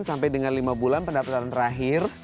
sampai dengan lima bulan pendapatan terakhir